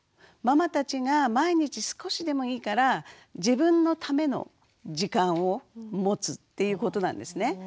ママたちが毎日少しでもいいから自分のための時間を持つっていうことなんですね。